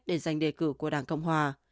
để giành đề cử của đảng cộng hòa